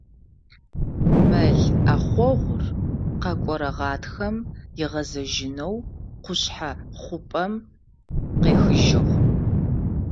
Мэл ӏэхъогъур къэкӏорэ гъатхэм ыгъэзэжьынэу къушъхьэ хъупӏэм къехыжьыгъ.